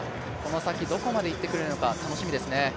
この先、どこまでいってくれるのか楽しみですね。